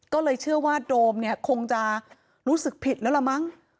ก็เลยเชื่อว่าโดมเนี่ยคงจะรู้สึกผิดแล้วล่ะมั้ง